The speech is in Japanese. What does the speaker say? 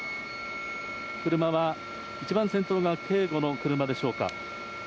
車は一番先頭が警護の車でしょうか。